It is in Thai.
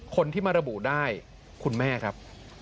คนที่มาระบุได้คุณแม่ครับ